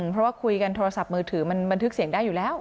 เพราะว่าคุยกันโทรศัพท์มือถือมันบันทึกเสียงได้อยู่แล้ว